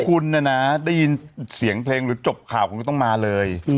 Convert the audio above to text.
คุณนะนะได้ยินเสียงเพลงหรือจบข่าวคุณก็ต้องมาเลย